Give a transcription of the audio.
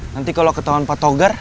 nanti kalau ketahuan pak togar